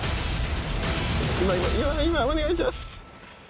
今今今今お願いします！